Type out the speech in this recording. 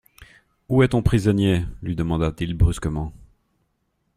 Où est ton prisonnier ? lui demanda-t-il brusquement.